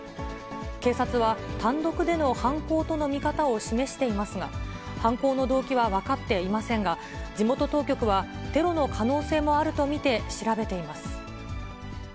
警察は、単独での犯行との見方を示していますが、犯行の動機は分かっていませんが、地元当局は、テロの可能性もあると見て調べています。